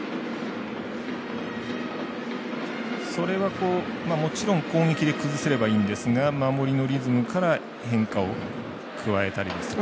それは、もちろん攻撃で崩せればいいんですが守りのリズムから変化を加えたりですとか。